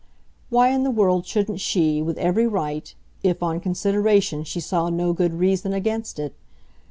Why in the world shouldn't she, with every right if, on consideration, she saw no good reason against it?